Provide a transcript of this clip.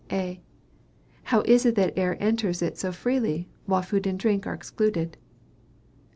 A. How is it that air enters it so freely, while food and drink are excluded?